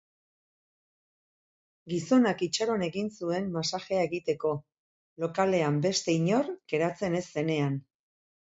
Gizonak itxaron egin zuen masajea egiteko, lokalean beste inor geratzen ez zenean.